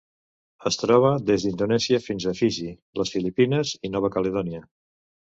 Es troba des d'Indonèsia fins a Fiji, les Filipines i Nova Caledònia.